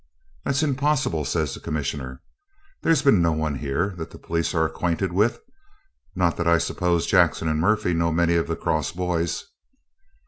'That's impossible,' says the Commissioner. 'There's been no one here that the police are acquainted with; not that I suppose Jackson and Murphy know many of the cross boys.'